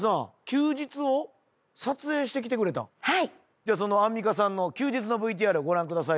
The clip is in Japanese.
じゃあアンミカさんの休日のＶＴＲをご覧ください。